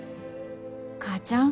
母ちゃん。